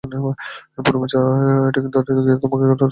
পুরো ম্যাচে অ্যাটাকিং থার্ডে গিয়ে আমাদের খেলাটা সেই দ্রুততা পাচ্ছে না।